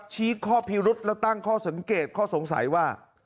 ชี้ข้อพิรุษและตั้งข้อสังเกตข้อสงสัยว่า